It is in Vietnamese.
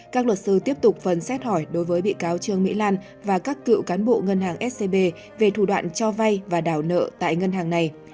các luật sư tiếp tục phần xét hỏi đối với bị cáo trương mỹ lan và các cựu cán bộ ngân hàng scb về thủ đoạn cho vay và đảo nợ tại ngân hàng này